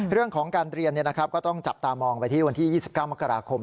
เรื่องของการเรียนก็ต้องจับตามองไปที่วันที่๒๙มกราคม